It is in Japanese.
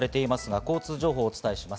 交通情報をお伝えします。